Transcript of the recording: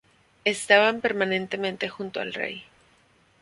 Estaban permanentemente junto al rey.